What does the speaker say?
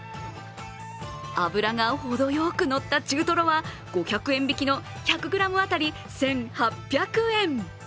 脂がほどよくのった中とろは５００円引きの１００ｇ当たり１８００円。